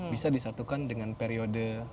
bisa disatukan dengan periode